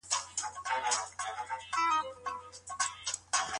که تخنيک پرمختګ وکړي کارونه به چټک سي.